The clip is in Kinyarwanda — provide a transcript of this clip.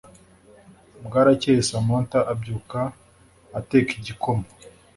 bwarakeye Samantha abyuka ateka igikoma